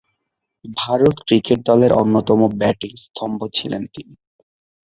Bharat cricket দলের অন্যতম batting স্তম্ভ ছিলেন তিনি।